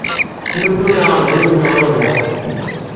Tella tin iɛerḍen ad tneɣ Rabaḥ.